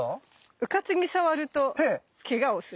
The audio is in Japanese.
うかつに触るとけがをする。